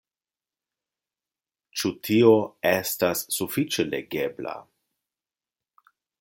Ĉu tio estas sufiĉe legebla?